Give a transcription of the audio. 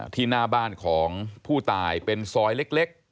หน้าบ้านของผู้ตายเป็นซอยเล็ก